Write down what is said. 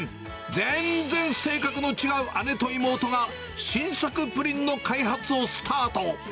全然性格の違う姉と妹が新作プリンの開発をスタート。